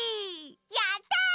やった！